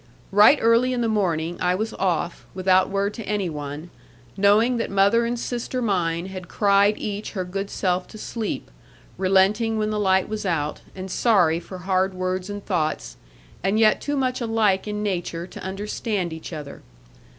Right early in the morning, I was off, without word to any one; knowing that mother and sister mine had cried each her good self to sleep; relenting when the light was out, and sorry for hard words and thoughts; and yet too much alike in nature to understand each other.